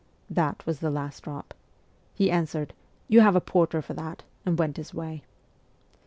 That was the last drop. He answered, ' You have a porter for that/ and went his way.